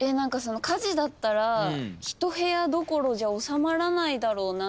火事だったら一部屋どころじゃ収まらないだろうなって。